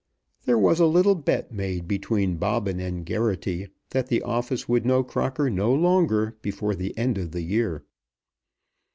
There was a little bet made between Bobbin and Geraghty that the office would know Crocker no longer before the end of the year.